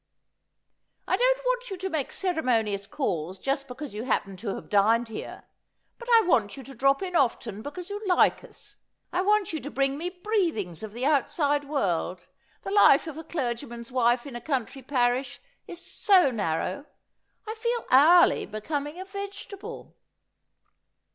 ' I don't want you to make ceremonious calls just because you happen to have dined here ; but I want you to drop in often because you like us. I want you to bring me breathings of the outside world. The life of a clergyman's wife in a coun try parish is so narrow. I feel hourly becoming a vegetable.'